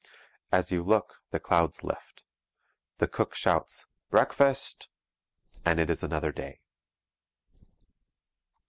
As you look, the clouds lift. The cook shouts 'breakfast!' And it is another day.